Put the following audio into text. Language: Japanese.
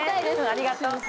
ありがとう。